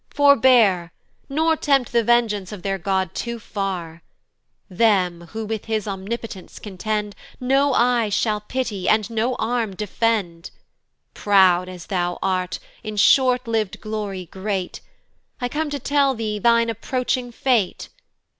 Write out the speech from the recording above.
forbear, "Nor tempt the vengeance of their God too far: "Them, who with his Omnipotence contend, "No eye shall pity, and no arm defend: "Proud as thou art, in short liv'd glory great, "I come to tell thee thine approaching fate.